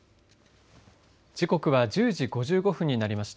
時刻は１０時５５分になりました。